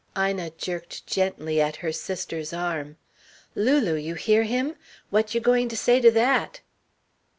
Ina jerked gently at her sister's arm. "Lulu! You hear him? What you going to say to that?"